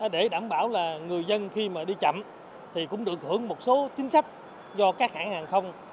để đảm bảo là người dân khi mà đi chậm thì cũng được hưởng một số chính sách do các hãng hàng không